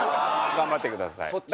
頑張ってください。